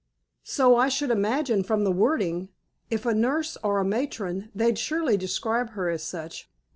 "So I should imagine, from the wording. If a nurse, or a matron, they'd surely describe her as such."